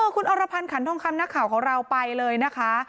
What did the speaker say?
คุณอรพันธ์ขันทองคำนักข่าวของเราไปเลยนะคะ